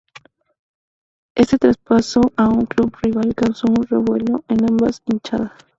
Este traspaso a un club rival causó un revuelo en ambas hinchadas.